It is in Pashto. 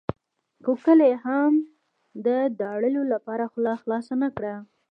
خو کله یې هم د داړلو لپاره خوله خلاصه نه کړه.